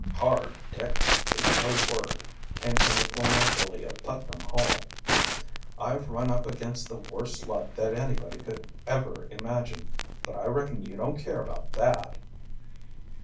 "Hard, Dick, aint no word," came from the former bully of Putnam Hall. "I've run up against the worst luck that anybody could ever imagine. But I reckon you don't care about that?"